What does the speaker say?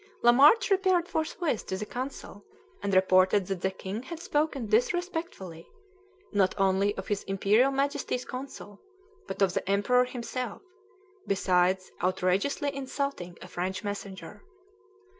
Lamarche repaired forthwith to the consul, and reported that the king had spoken disrespectfully, not only of his Imperial Majesty's consul, but of the Emperor himself, besides outrageously insulting a French messenger.